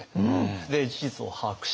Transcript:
で事実を把握して。